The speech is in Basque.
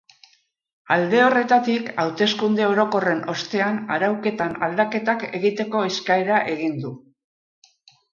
Alde horretatik, hauteskunde orokorren ostean arauketan aldaketak egiteko eskaera egin du.